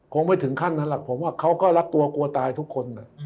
คงไม่ถึงขั้นนั้นหรอกผมว่าเขาก็รักตัวกลัวตายทุกคน